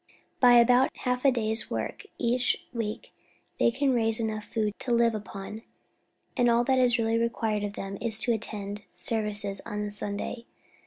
By about half a day's work each week they can raise enough food to live upon, and all that is really required of them is to attend services on a Sunday.